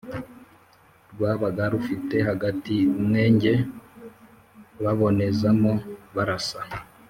rwabaga rufite hagati umwenge babonezamo barasa.